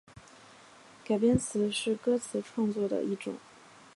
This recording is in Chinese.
改编词是歌词创作的一种。